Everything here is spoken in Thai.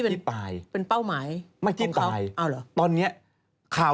ว้าว